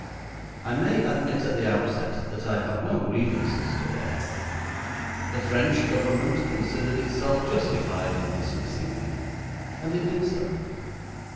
I may admit at the outset that I have no grievances to air. The French Government considered itself justified in dismissing me, and it did so.